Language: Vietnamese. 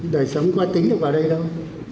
đời sống qua tính được vào đây đâu